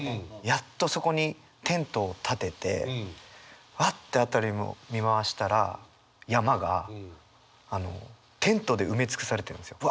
やっとそこにテントをたててわあって辺りを見回したら山がテントで埋め尽くされてるんですよ。